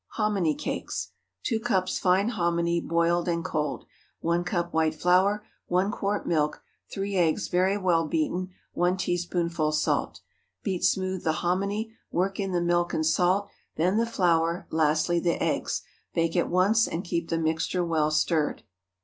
HOMINY CAKES. ✠ 2 cups fine hominy, boiled and cold. 1 cup white flour. 1 quart milk. 3 eggs, very well beaten. 1 teaspoonful salt. Beat smooth the hominy, work in the milk and salt, then the flour, lastly the eggs. Bake at once, and keep the mixture well stirred.